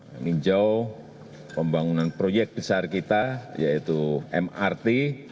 meninjau pembangunan proyek besar kita yaitu mrt